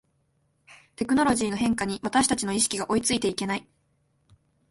テクノロジーの変化に私たちの意識が追いついていけない